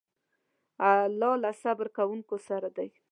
الله له صبر کوونکو سره دی.